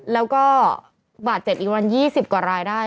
แล้วก็บาทเจ็บอีกวัน๒๐กว่ารายได้